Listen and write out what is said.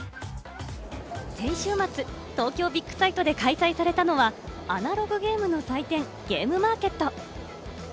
先週末、東京ビッグサイトで開催されたのはアナログゲームの祭典ゲームマーケット。